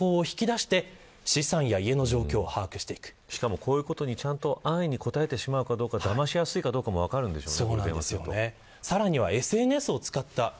こういうことに安易に答えてしまうかどうかでだましやすいかどうかも分かるんでしょうね。